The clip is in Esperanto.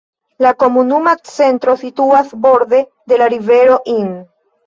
La komunuma centro situas borde de la rivero Inn.